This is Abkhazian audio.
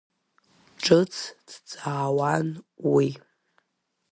Ҿыц дҵаауан уи.